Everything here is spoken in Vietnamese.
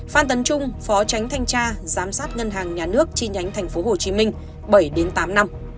phan tấn trung phó tránh thanh tra giám sát ngân hàng nhà nước chi nhánh tp hcm bảy tám năm